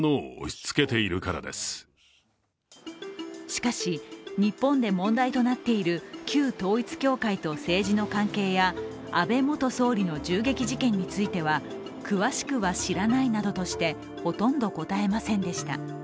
しかし、日本で問題となっている旧統一教会と政治の関係や、安倍元総理の銃撃事件については詳しくは知らないなどとして、ほとんど答えませんでした。